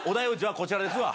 こちらですわ。